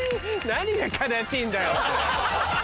何が悲しいんだよ！